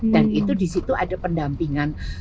dan itu disitu ada pendampingan